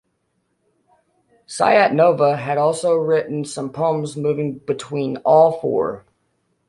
Sayat Nova had also written some poems moving between all four.